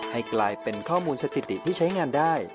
ให้กลายเป็นข้อมูลสถิติที่ใช้งานได้